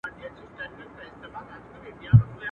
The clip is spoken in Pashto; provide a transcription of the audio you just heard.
څومره ترخه مي وه ګڼلې، څه آسانه سوله.